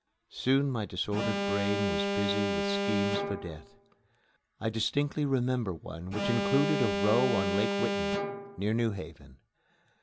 Soon my disordered brain was busy with schemes for death. I distinctly remember one which included a row on Lake Whitney, near New Haven.